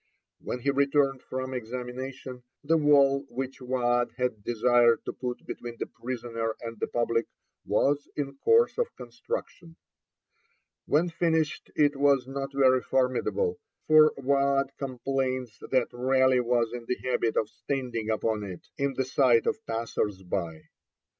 When he returned from examination, the wall which Waad had desired to put between the prisoner and the public was in course of construction. When finished it was not very formidable, for Waad complains that Raleigh was in the habit of standing upon it, in the sight of passers by.